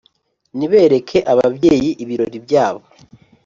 Nibereke ababyeyi ibirori byabo